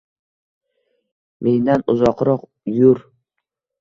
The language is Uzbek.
Mendan uzoqroq yur.